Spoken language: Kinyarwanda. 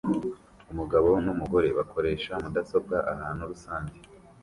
Umugabo numugore bakoresha mudasobwa ahantu rusange